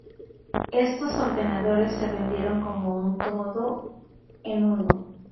Estos ordenadores se vendieron como un todo en uno.